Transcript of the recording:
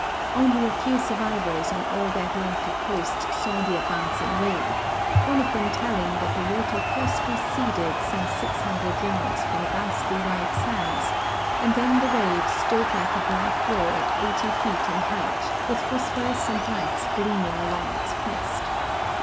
Only a few survivors on all that length of coast saw the advancing wave, one of them telling that the water first re ceded some 600 yards from ghastly white sands and then the Wave stood like a black wall 80 feet in height, with phosphor escent lights gleaming along its crest.